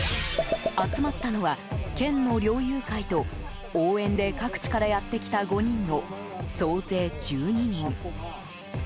集まったのは、県の猟友会と応援で各地からやってきた５人の総勢１２人。